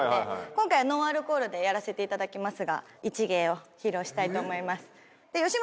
今回はノンアルコールでやらせていただきますが一芸を披露したいと思います。